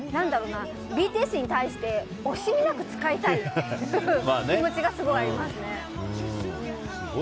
ＢＴＳに対して惜しみなく使いたいという気持ちがすごいありますね。